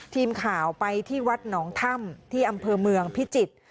ทีมข่าวไปที่วัดหนองถ้ำที่อำเภอเมืองพิจิตร